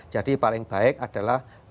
jadi paling baik adalah